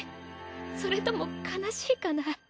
それとも悲しいかな？